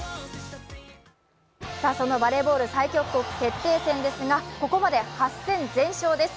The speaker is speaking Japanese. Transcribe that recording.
そのバレーボール最強国決定戦ですがここまで８戦全勝です。